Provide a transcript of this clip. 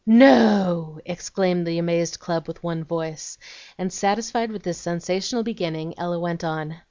"No!" exclaimed the amazed club with one voice; and, satisfied with this sensational beginning Ella went on.